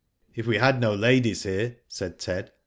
"If we had no ladies here," said Ted.